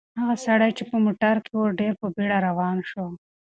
هغه سړی چې په موټر کې و ډېر په بیړه روان شو.